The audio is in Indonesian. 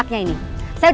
tante andis jangan